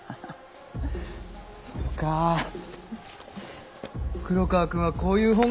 そうか黒川くんはこういう本が好きか。